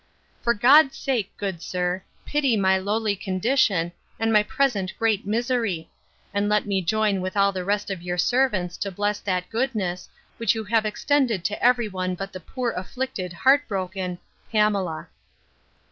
'For God's sake, good sir, pity my lowly condition, and my present great misery; and let me join with all the rest of your servants to bless that goodness, which you have extended to every one but the poor afflicted, heart broken 'PAMELA.